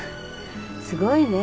すごいね。